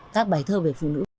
các bài thơ về phụ nữ